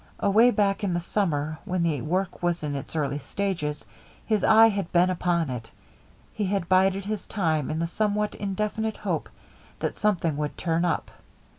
Away back in the summer, when the work was in its early stages, his eye had been upon it; he had bided his time in the somewhat indefinite hope that something would turn up.